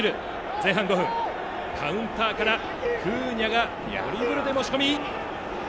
前半５分、カウンターからクーニャがドリブルで持ち込み。